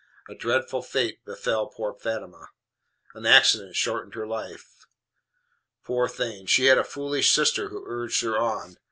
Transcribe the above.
A dreadful fate befell poor Fatima. An ACCIDENT shortened her life. Poor thing! she had a foolish sister who urged her on.